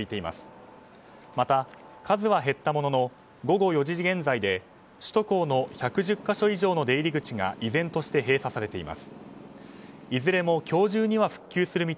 また、数は減ったものの午後４時現在で首都高の１１０か所以上の出入り口が依然として閉鎖されています。